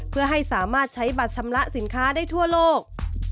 เพื่อให้สามารถใช้บัตรชำระสินค้าได้ทั่วโลก